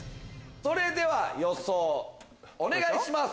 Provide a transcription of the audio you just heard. それでは予想お願いします。